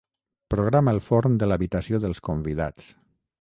Programa el forn de l'habitació dels convidats.